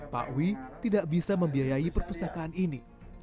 pak wi tidak bisa membiayai perpustakaan ini